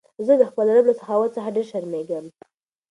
زه د خپل رب له سخاوت څخه ډېر شرمېږم.